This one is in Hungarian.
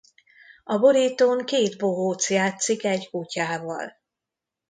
A borítón két bohóc játszik egy kutyával.